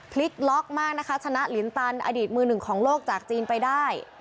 พลิกล็อกมากนะคะชนะลินตันอดีตมือหนึ่งของโลกจากจีนไปได้